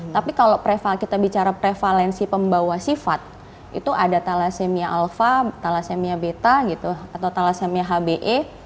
tapi kalau kita bicara prevalensi pembawa sifat itu ada thalassemia alfa thalassemia beta gitu atau thalassemia hbe